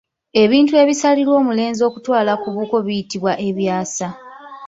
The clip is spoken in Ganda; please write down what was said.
Ebintu ebisalirwa omulenzi okutwala ku buko biyitibwa ebyasa